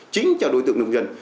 chính cho đối tượng nông dân